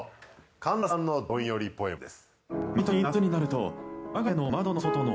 神田さんのどんよりポエムです。